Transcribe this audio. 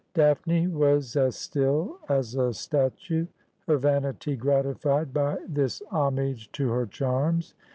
Daphne was as as still as a statue, her vanity gratified by this homage to her charms.